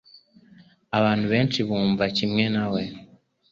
Abantu benshi bumva kimwe nawe.